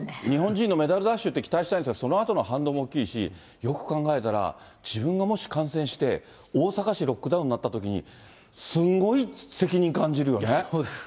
日本人のメダルラッシュって期待したいんですが、そのあとの反動も大きいし、よく考えたら、自分がもし感染して、大阪市ロックダウンになったときに、すんごい責任感じるよね。